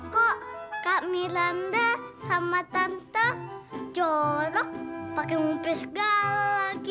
kok kak miranda sama tante jorok pakai mumpir segala lagi